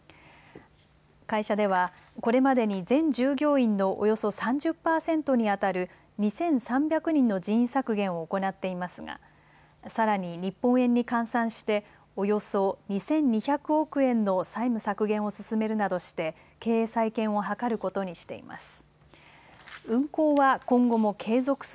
会社では、これまでに全従業員のおよそ３０％にあたる２３００人の人員削減を行っていますがさらに日本円に換算しておよそ２２００億円の債務削減を進めるなどして経営再建を図ることにしています。